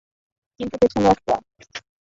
কিন্তু পেছনে একটা গ্যাং আসছে, স্যার।